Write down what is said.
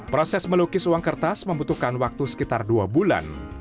proses melukis uang kertas membutuhkan waktu sekitar dua bulan